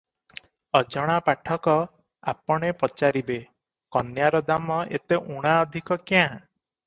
ଅଜଣା ପାଠକ ଆପଣେ ପଚାରିବେ, "କନ୍ୟାର ଦାମ ଏତେ ଊଣା ଅଧିକ କ୍ୟାଁ?